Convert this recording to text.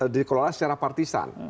dikelola secara partisan